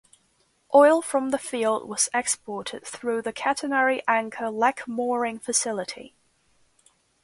Oil from the field was exported through the Catenary Anchor Leg Mooring facility.